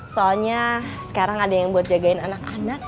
soalnya sekarang ada yang buat jagain anak anak